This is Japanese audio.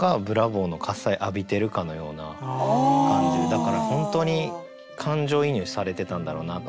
だから本当に感情移入されてたんだろうなと思って。